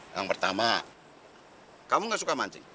yang pertama kamu gak suka mancing